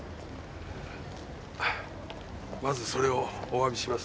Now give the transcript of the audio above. まずそれをお詫びします。